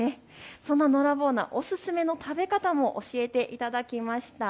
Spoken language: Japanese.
そんなのらぼう菜、お勧めの食べ方も教えていただきました。